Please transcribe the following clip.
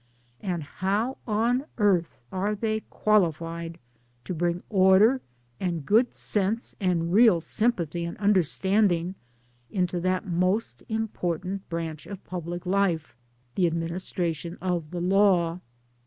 and how on earth are they qualified to bring, order and good sense and real sympathy and understanding into that most important branch of public life the administration of the law?